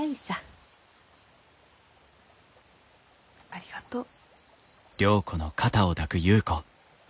ありがとう。